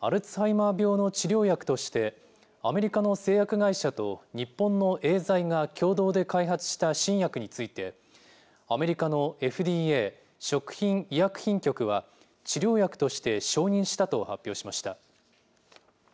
アルツハイマー病の治療薬として、アメリカの製薬会社と日本のエーザイが共同で開発した新薬について、アメリカのＦＤＡ・食品医薬品局は、治療薬として承認したと発表しました。